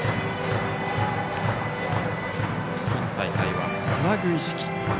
今大会はつなぐ意識。